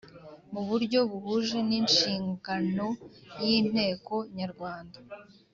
Mu buryo buhuje n’inshinganoy’ Inteko Nyarwanda